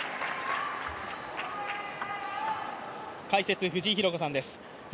解説、藤井寛子さんです。